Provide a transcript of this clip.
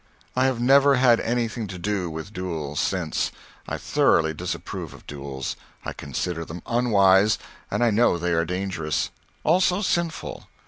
I have never had anything to do with duels since. I thoroughly disapprove of duels. I consider them unwise, and I know they are dangerous. Also, sinful.